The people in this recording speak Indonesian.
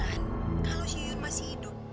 lan kalau si yun masih hidup